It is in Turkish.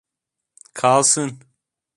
Kalsın.